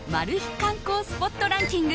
観光スポットランキング